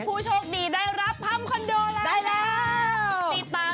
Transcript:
ผู้โชคดีได้รับห้ำคอนโดได้แล้ว